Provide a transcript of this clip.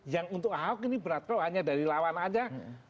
yang untuk ahok ini berat kalau hanya dari lawan saja